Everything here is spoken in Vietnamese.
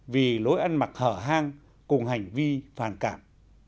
vì lối ăn mặc hở hang cùng hành vi phản cảm